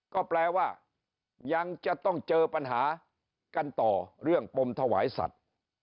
ก็แปลว่ายังจะต้องเจอปัญหากันต่อเรื่องปมถวายสัตว์